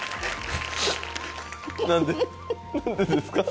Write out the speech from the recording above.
何で何でですか？